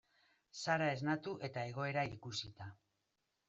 Sara esnatu eta egoera ikusita.